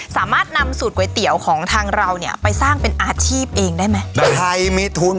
สามารถนำสูตรก๋วยเตี๋ยวของทางเราเนี่ยไปสร้างเป็นอาชีพเองได้ไหม